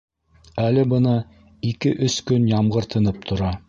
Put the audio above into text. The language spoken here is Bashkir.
Әле бына ике-өс көн ямғыр тынып тора.